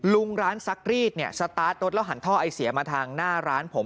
ลุงร้านซักรีดเนี่ยสตาร์ทรถแล้วหันท่อไอเสียมาทางหน้าร้านผม